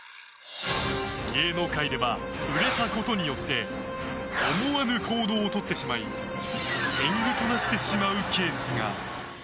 芸能界では売れたことによって思わぬ行動をとってしまい天狗となってしまうケースが。